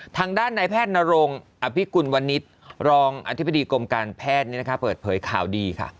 ทางด้านในแพทย์นรงอภิกุลวันนี้รองอธิบดีกรมการแพทย์เปิดเผยข่าวดีค่ะ